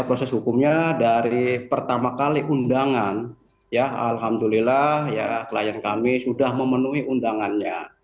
proses hukumnya dari pertama kali undangan ya alhamdulillah klien kami sudah memenuhi undangannya